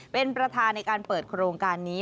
เป็นประธานในการเปิดโครงการนี้